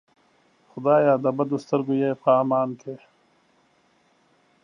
خدایه د بدو سترګو یې په امان کې.